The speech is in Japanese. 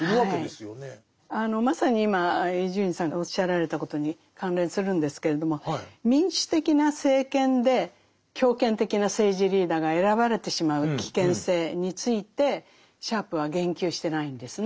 まさに今伊集院さんがおっしゃられたことに関連するんですけれども民主的な政権で強権的な政治リーダーが選ばれてしまう危険性についてシャープは言及してないんですね。